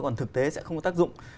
còn thực tế sẽ không có tác dụng